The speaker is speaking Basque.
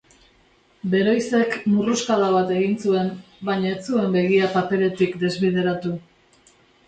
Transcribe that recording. Beroizek murruskada bat egin zuen, baina ez zuen begia paperetik desbideratu.